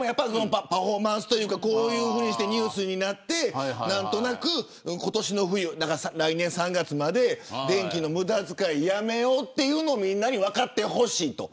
パフォーマンスというかこういうふうにしてニュースになって何となく、今年の冬来年３月まで電気の無駄使いをやめようということをみんなに分かってほしいと。